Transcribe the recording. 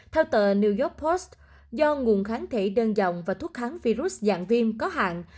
theo tờ new york post do nguồn kháng thể đơn dòng và thuốc kháng virus dạng viêm có hạn